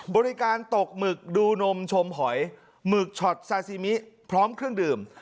บริการตกหมึกดูนมชมหอยหมึกช็อตซาซิมิพร้อมเครื่องดื่ม